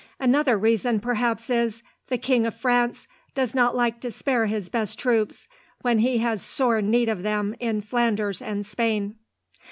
Another reason perhaps is, the King of France does not like to spare his best troops, when he has sore need of them in Flanders and Spain.